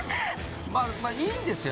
まあいいんですよ。